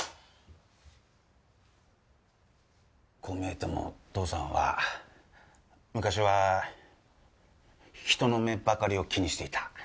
こう見えても父さんは昔は人の目ばかりを気にしていた。